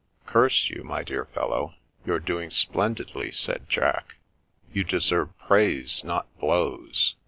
"' Curse you,' my dear fellow ? You're doing splendidly," said Jack. You deserve praise, not blows.